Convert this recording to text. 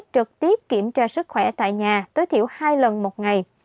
trực tiếp kiểm tra sức khỏe tại nhà tối thiểu hai lần một ngày